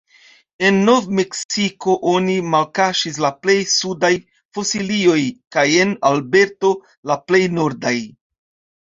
En Nov-Meksiko oni malkaŝis la plej sudaj fosilioj kaj en Alberto la plej nordaj.